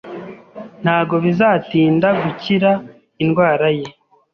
Ntabwo bizatinda gukira indwara ye